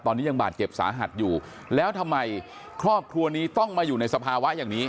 ตอนนี้ยังบาดเจ็บสาหัสอยู่แล้วทำไมครอบครัวนี้ต้องมาอยู่ในสภาวะอย่างนี้